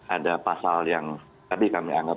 ada pasal yang tadi kami anggap